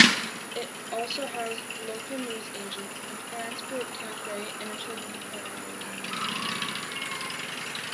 It also has a local newsagents, a transport cafe and a children's park.